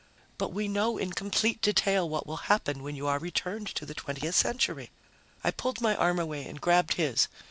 "But we know in complete detail what will happen when you are returned to the 20th Century." I pulled my arm away and grabbed his.